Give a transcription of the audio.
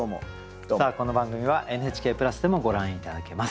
さあこの番組はＮＨＫプラスでもご覧頂けます。